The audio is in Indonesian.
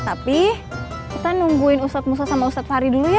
tapi kita nungguin ustadz musta sama ustadz fahri dulu ya